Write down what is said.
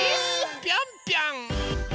ぴょんぴょん！